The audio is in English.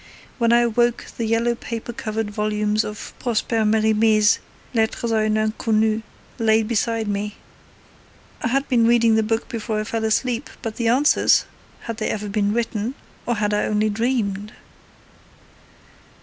When I awoke the yellow paper covered volumes of Prosper Merimee's Lettres a une Inconnue lay beside me; I had been reading the book before I fell asleep, but the answers had they ever been written, or had I only dreamed?'